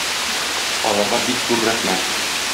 Аларга бик зур рәхмәт.